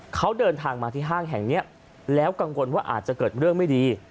เขาเดินทางมาที่ห้างแห่งนี้แล้วกังวลว่าอาจจะเกิดเรื่องไม่ดี